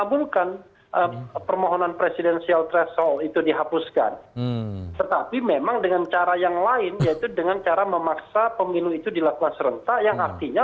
berapapun jumlah penduduknya